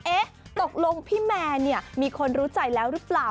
ตกลงพี่แมนเนี่ยมีคนรู้ใจแล้วหรือเปล่า